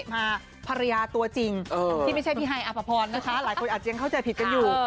มาภรรยาตัวจริงที่ไม่ใช่พี่ฮายอภพรนะคะหลายคนอาจจะยังเข้าใจผิดกันอยู่